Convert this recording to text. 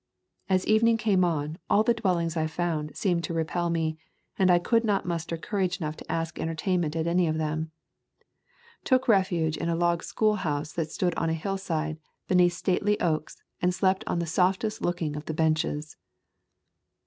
As evening came on all the dwellings I found seemed to repel me, and I could not muster courage Kentucky Forests and Caves enough to ask entertainment at any of them. Took refuge in a log schoolhouse that stood on a hillside beneath stately oaks and slept on the softest looking of the benches.